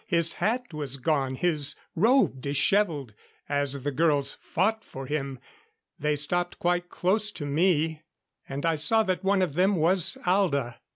His hat was gone, his robe disheveled, as the girls fought for him. They stopped quite close to me; and I saw that one of them was Alda.